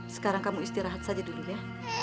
sekarang kamu istirahat saja dulu ya